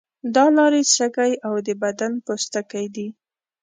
دا لارې سږی او د بدن پوستکی دي.